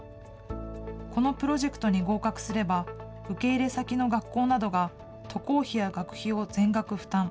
このプロジェクトに合格すれば、受け入れ先の学校などが渡航費や学費を全額負担。